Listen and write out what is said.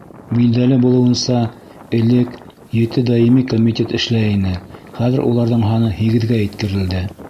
Билдәле булыуынса, элек ете даими комитет эшләй ине, хәҙер уларҙың һаны һигеҙгә еткерелде.